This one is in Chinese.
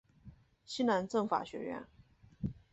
西南政法学院。